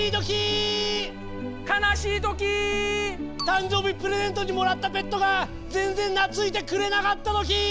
誕生日プレゼントでもらったペットが全然懐いてくれなかったときー！